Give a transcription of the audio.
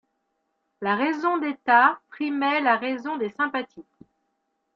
La raison d'état primait la raison des sympathies.